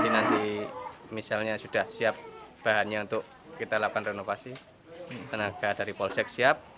nanti misalnya sudah siap bahannya untuk kita lakukan renovasi tenaga dari polsek siap